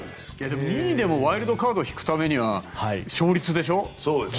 ２位でもワイルドカードを引くためには勝率でしょ。